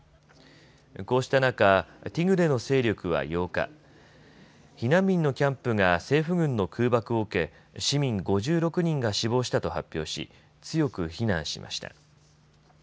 こうした中、ティグレの勢力は８日、避難民のキャンプが政府軍の空爆を受け、市民５６人が死亡したと発表し強く非難しました。